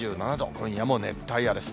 今夜も熱帯夜です。